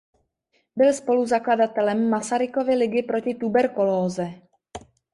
Byl spoluzakladatelem "Masarykovy ligy proti tuberkulóze".